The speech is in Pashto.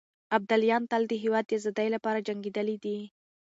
ابداليان تل د هېواد د ازادۍ لپاره جنګېدلي دي.